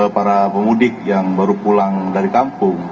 para pemudik yang baru pulang dari kampung